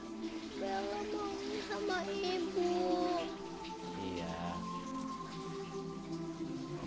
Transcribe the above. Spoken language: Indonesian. aku mau ikhlas sama ibu